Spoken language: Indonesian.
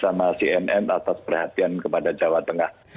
saya terima kasih sama cnn atas perhatian kepada jawa tengah